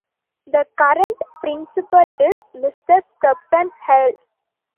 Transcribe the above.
The current principal is Mr. Stephen Hale.